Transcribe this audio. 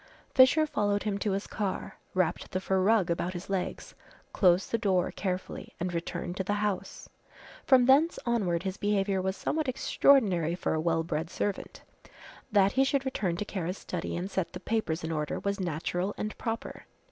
Fisher followed him to his car, wrapped the fur rug about his legs, closed the door carefully and returned to the house. From thence onward his behaviour was somewhat extraordinary for a well bred servant. That he should return to Kara's study and set the papers in order was natural and proper.